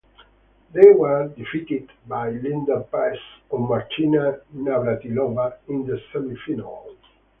They were defeated by Leander Paes and Martina Navratilova in the semifinals.